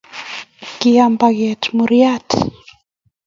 kiam paket muryat.